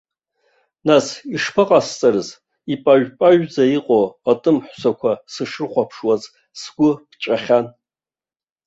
Нас ишԥаҟасҵарыз, ипажә-пажәӡа иҟоу атәым ҳәсақәа сышрыхәаԥшуаз сгәы ԥҵәахьан.